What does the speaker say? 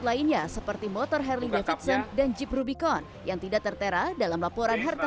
lainnya seperti motor harley davidson dan jeep rubicon yang tidak tertera dalam laporan harta